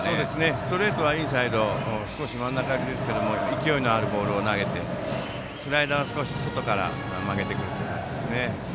ストレートはインサイド少し真ん中寄りですが勢いのあるボールを投げてスライダーは少し外から曲げてくるという感じですね。